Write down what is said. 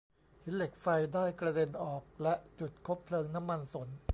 หินเหล็กไฟได้กระเด็นออกและจุดคบเพลิงน้ำมันสน